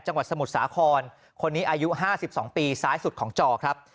สมุทรสาครคนนี้อายุ๕๒ปีซ้ายสุดของจอครับ